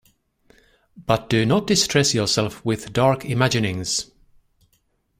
But do not distress yourself with dark imaginings.